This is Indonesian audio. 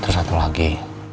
terus satu lagi